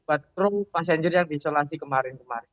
untuk pasien juria yang disolasi kemarin kemarin